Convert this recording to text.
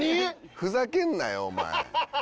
ふざけんなよお前。